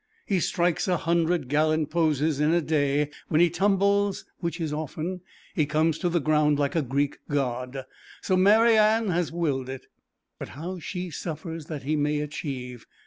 He strikes a hundred gallant poses in a day; when he tumbles, which is often, he comes to the ground like a Greek god; so Mary A has willed it. But how she suffers that he may achieve!